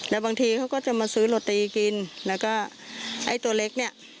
แล้วบางทีเขาก็จะมาซื้อโรตีกินแล้วก็ไอ้ตัวเล็กเนี่ย